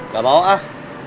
gak mau ah